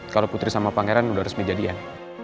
kalau putri sama pangeran sudah resmi jadian